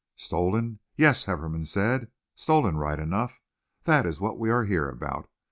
"Stolen, yes!" Hefferom said, "stolen right enough! That is what we are here about.